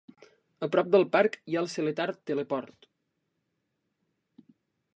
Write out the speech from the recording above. A prop del parc hi ha el Seletar Teleport.